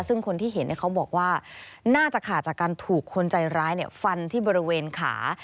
ซึ่งคนที่เห็นเขาบอกว่าน่าจะขาดจากการถูกคนใจร้ายฟันที่บริเวณขา